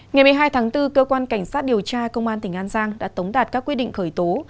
ngày một mươi hai tháng bốn cơ quan cảnh sát điều tra công an tỉnh an giang đã tống đạt các quyết định khởi tố